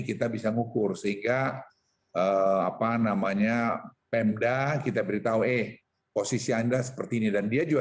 kita bisa ngukur sehingga apa namanya pemda kita beritahu eh posisi anda seperti ini dan dia juga